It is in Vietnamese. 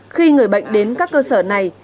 khi người bệnh đến các cơ sở này